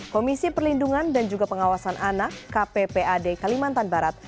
komisi perlindungan dan juga pengawasan anak kppad kalimantan barat